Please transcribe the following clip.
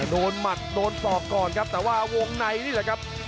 หมัดโดนศอกก่อนครับแต่ว่าวงในนี่แหละครับ